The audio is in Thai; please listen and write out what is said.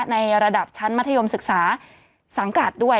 ในระดับชั้นมัธยมศึกษาสังกัดด้วย